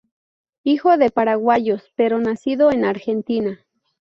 Hijo de paraguayos pero nacido en Argentina.